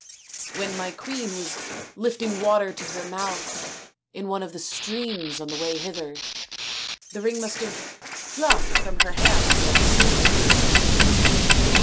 " When my queen was lifting water to her mouth in one of the streams on the way hither, the ring must have dropped from her hands unseen."